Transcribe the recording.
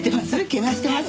けなしてます？